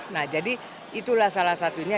nah jadi itulah salah satunya